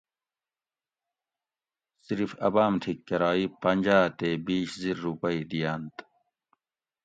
صرف اۤ باۤم تھی کرائی پنجاۤ تے بِیش زِر رُوپئی دِئینت